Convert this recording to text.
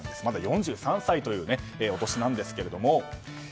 まだ４３歳というお年なんですけれども。